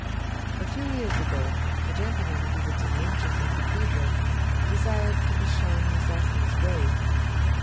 A few years ago, a gentleman visiting Winchester Cathedral desired to be shown Miss Austen's grave.